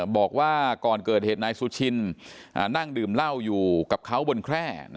บอกว่าก่อนเกิดเหตุนายสุชินนั่งดื่มเหล้าอยู่กับเขาบนแคร่